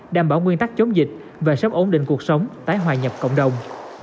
đảm bảo nguyên tắc chống dịch và sắp ổn định cuộc sống tái hoài nhập cộng đồng